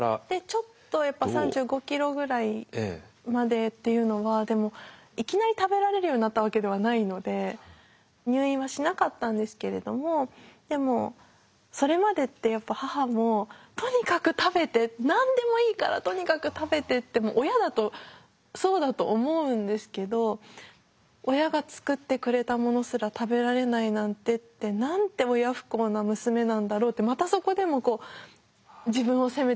ちょっと３５ｋｇぐらいまでっていうのはでもいきなり食べられるようになったわけではないので入院はしなかったんですけれどもでもそれまでってやっぱ母もとにかく食べて何でもいいからとにかく食べてって親だとそうだと思うんですけど親が作ってくれたものすら食べられないなんてってなんて親不孝な娘なんだろうってまたそこでもこう自分を責めてしまうというか。